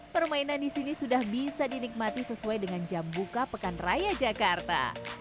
permainan di sini sudah bisa dinikmati sesuai dengan jam buka pekan raya jakarta